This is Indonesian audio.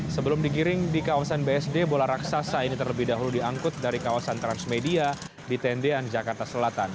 sebelum digiring di kawasan bsd bola raksasa ini terlebih dahulu diangkut dari kawasan transmedia di tendean jakarta selatan